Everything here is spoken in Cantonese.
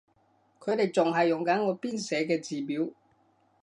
佢哋仲係用緊我編寫嘅字表